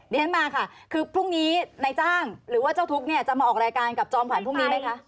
เดี๋ยวฉันมาค่ะคือพรุ่งนี้นายจ้างหรือว่าเจ้าทุกข์เนี่ยจะมาออกรายการกับจอมขวัญพรุ่งนี้ไหมคะ